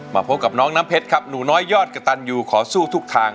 พบกับน้องน้ำเพชรครับหนูน้อยยอดกระตันยูขอสู้ทุกทาง